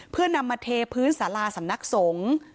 เพื่อนำมาเทพื้นสาราสำนักสงฆ์